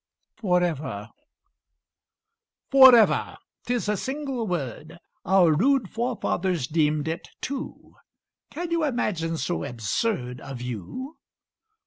"FOREVER" Forever! 'Tis a single word! Our rude forefathers deemed it two; Can you imagine so absurd A view?